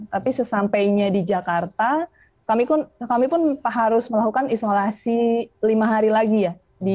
tapi sesampainya di jakarta kami pun harus melakukan isolasi lima hari lagi ya